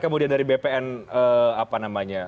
kemudian dari bpn apa namanya